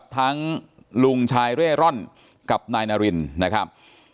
ทั้งลุงชายเร่ร่อนกับนายนารินนะครับ